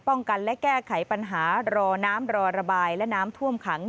กันและแก้ไขปัญหารอน้ำรอระบายและน้ำท่วมขัง